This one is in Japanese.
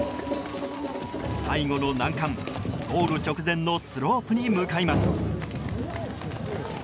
最後の難関ゴール直前のスロープに向かいます。